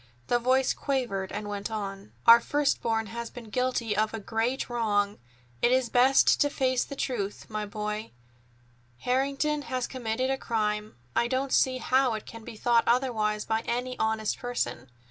The voice quavered and went on: "Our first born has been guilty of a great wrong. It is best to face the truth, my boy. Harrington has committed a crime. I don't see how it can be thought otherwise by any honest person.